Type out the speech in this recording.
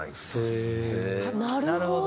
なるほど！